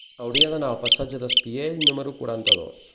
Hauria d'anar al passatge d'Espiell número quaranta-dos.